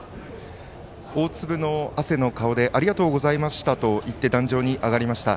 大粒の汗の顔でありがとうございましたと言って壇上に上がりました。